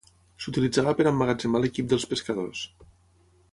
S'utilitzava per emmagatzemar l'equip dels pescadors.